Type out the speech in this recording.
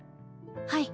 はい。